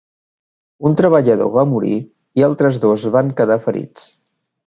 Un treballador va morir i altres dos van quedar ferits.